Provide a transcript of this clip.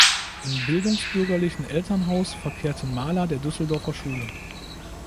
Im bildungsbürgerlichen Elternhaus verkehrten Maler der Düsseldorfer Schule.